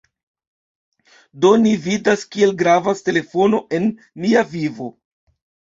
Do, ni vidas, kiel gravas telefono en nia vivo!